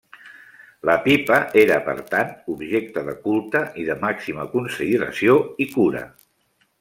La pipa era, per tant, objecte de culte i de màxima consideració i cura.